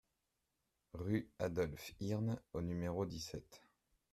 Rue Adolphe Hirn au numéro dix-sept